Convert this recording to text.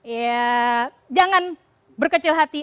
ya jangan berkecil hati